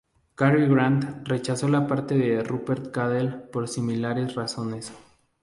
Cary Grant rechazó la parte de Rupert Cadell por similares razones.